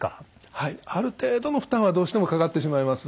はいある程度の負担はどうしてもかかってしまいます。